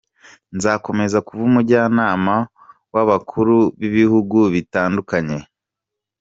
Nzakomeza kuba umujyanama w’abakuru b’ibihugu bitandukanye.